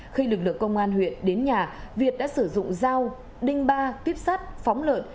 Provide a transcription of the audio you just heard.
khi lực lượng công an huyện đến nhà việt đã sử dụng dao đinh ba tiếp sát phóng lợn